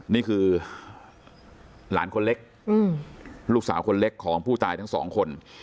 นี่คือหลานคนเล็กลูกสาวคนเล็กของผู้ตายทั้งสองคน